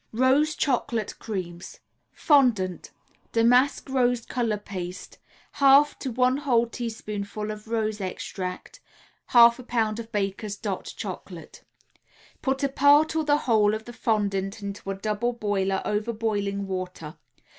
ROSE CHOCOLATE CREAMS Fondant, Damask rose color paste, 1/2 to 1 whole teaspoonful of rose extract, 1/2 a pound of Baker's "Dot" Chocolate. Put a part or the whole of the fondant into a double boiler over boiling water.